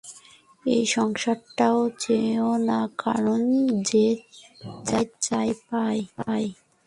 এই সংসারটাকে চেও না, কারণ যে যা চায়, সে তাই পায়।